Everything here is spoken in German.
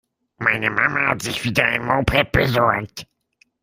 Meine Mama hat sich wieder ein Moped besorgt.